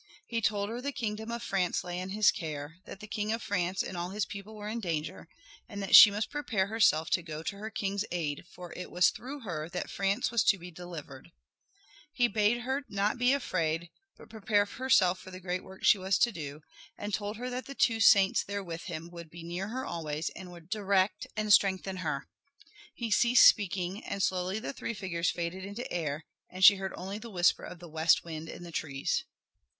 He told her the kingdom of France lay in his care, that the king of France and all his people were in danger, and that she must prepare herself to go to her king's aid, for it was through her that France was to be delivered. He bade her be not afraid but prepare herself for the great work she was to do, and told her that the two saints there with him would be near her always and would direct and strengthen her. He ceased speaking, and slowly the three figures faded into air, and she heard only the whisper of the west wind in the trees.